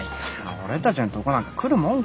俺たちのとこなんか来るもんか。